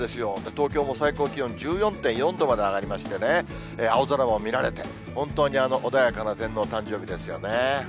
東京も最高気温１４．４度まで上がりましてね、青空も見られて、本当に穏やかな天皇誕生日ですよね。